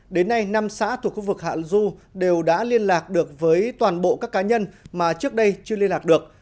đến nay năm xã thuộc khu vực hạ du đều đã liên lạc được với toàn bộ các cá nhân mà trước đây chưa liên lạc được